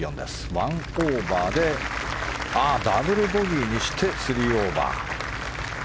１オーバーでダブルボギーにして３オーバー。